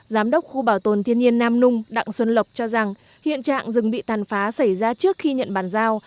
giám đốc khu bảo tồn thiên nhiên nam nung đặng xuân lộc cho rằng hiện trạng rừng bị tàn phá xảy ra trước khi nhận bàn giao